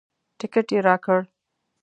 ټکټ یې راکړ.